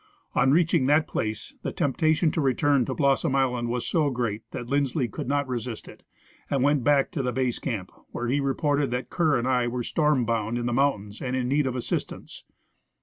On reaching that place the temptation to return to Blossom island was so great that Lindsley could not resist it and went back to the base camp, where he reported that Kerr and I were storm bound in the mountains and in need of assistance.